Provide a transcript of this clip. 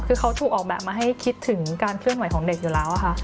คือเขาถูกออกแบบมาให้คิดถึงการเคลื่อนไหวของเด็กอยู่แล้วค่ะ